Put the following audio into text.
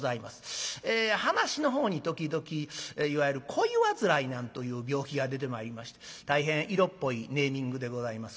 噺のほうに時々いわゆる「恋煩い」なんという病気が出てまいりまして大変色っぽいネーミングでございます